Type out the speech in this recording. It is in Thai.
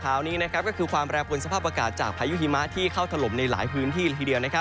คราวนี้ก็คือความแปรปวนสภาพอากาศจากพายุหิมะที่เข้าถล่มในหลายพื้นที่ละทีเดียว